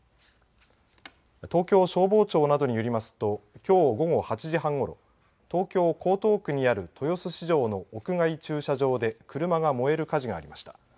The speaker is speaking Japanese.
東京消防庁などによりますときょう午後８時半ごろ東京江東区にある豊洲市場の屋外駐車場で車が燃える火事がありました。